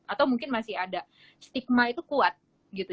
atau mungkin masih ada stigma itu kuat gitu